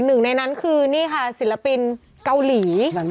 หนึ่งในนั้นคือนี่ค่ะศิลปินเกาหลี